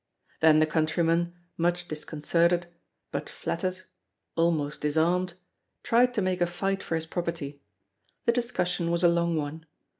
Then the countryman, much disconcerted, but flattered almost disarmed, tried to make a fight for his property. The discussion was a long one.